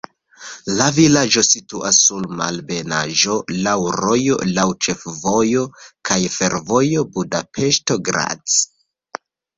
La vilaĝo situas sur malebenaĵo, laŭ rojo, laŭ ĉefvojo kaj fervojo Budapeŝto-Graz.